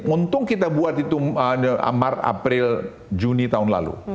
untung kita buat itu di mar april juni tahun lalu